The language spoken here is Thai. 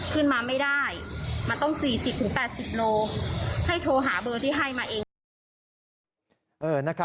ขึ้นมาไม่ได้มันต้อง๔๐๘๐โลให้โทรหาเบอร์ที่ให้มาเองก็ได้